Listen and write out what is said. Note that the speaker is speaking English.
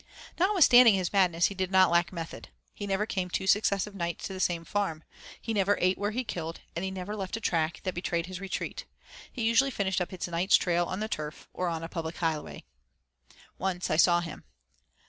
Notwithstanding his madness, he did not lack method. He never came two successive nights to the same farm. He never ate where he killed, and he never left a track that betrayed his re treat. He usually finished up his night's trail on the turf, or on a public highway. Once I saw him.